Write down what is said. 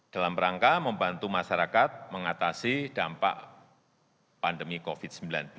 dalam rangka membantu masyarakat mengatasi dampak pandemi covid sembilan belas